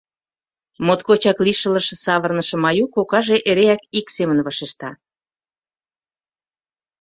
Моткочак лишылыш савырныше Маюк кокаже эреак ик семын вашешта: